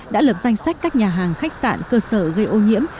đã lập danh sách các nhà hàng khách sạn cơ sở gây ô nhiễm